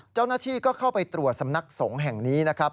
เจ้าหน้าที่ก็เข้าไปตรวจสำนักสงฆ์แห่งนี้นะครับ